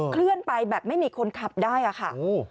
เคลื่อนไปแบบไม่มีคนขับได้อะค่ะ